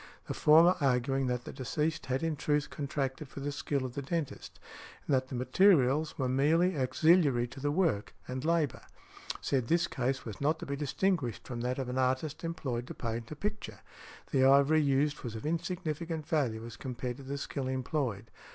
The former, arguing that the deceased had in truth contracted for the skill of the dentist, and that the materials were merely auxiliary to the work and labour, said this case was not to be distinguished from that of an artist employed to paint a picture; the ivory used was of insignificant value as compared to the skill employed.